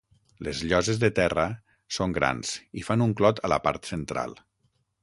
Les lloses de terra són grans i fan un clot a la part central.